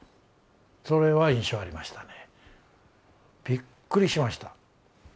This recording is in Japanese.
それは印象ありましたね。